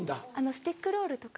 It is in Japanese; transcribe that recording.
スティックロールとか。